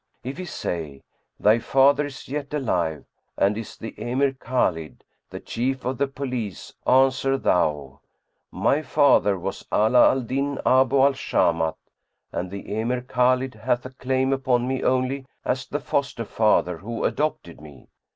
If he say, 'Thy father is yet alive and is the Emir Khбlid, the Chief of the Police'; answer thou, 'My father was Ala al Din Abu al Shamat, and the Emir Khбlid hath a claim upon me only as the foster father who adopted me.'